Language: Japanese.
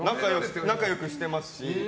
仲良くしてますし。